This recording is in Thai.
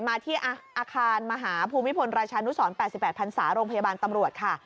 มาที่อาคารมหาภูมิพลราชานุสร๘๘พันศาโรงพยาบาลตำรวจค่ะ